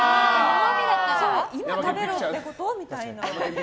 今食べろってこと？みたいな。